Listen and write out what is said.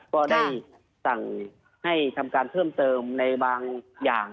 ก็ได้สั่งให้ทำการเพิ่มเติมในบางอย่าง